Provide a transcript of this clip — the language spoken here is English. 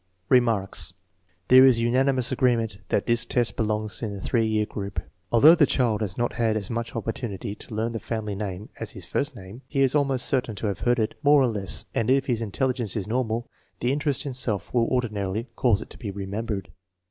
Remarks. There is unanimous agreement that this test belongs in the 3 year group. Although the child has not had as much opportunity to learn the family name as his first name, he is almost certain to have heard it more or less, and if his intelligence is normal the interest in self will ordinarily cause it to be remembered.